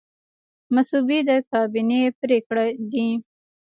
مصوبې د کابینې پریکړې دي